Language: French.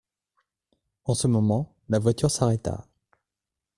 En ce moment, la voiture s'arrêta.